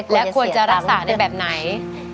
และควรจะรักษาในแบบไหน